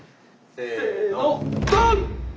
せのドン！